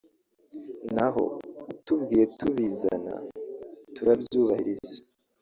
naho utubwiye tubizana turabyubahiriza